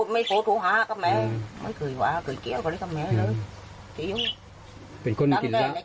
แม่บอกว่าลูกชายไม่ได้ทำ